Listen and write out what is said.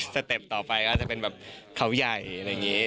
เต็ปต่อไปก็จะเป็นแบบเขาใหญ่อะไรอย่างนี้